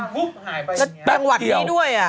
จังหวัดนี้ด้วย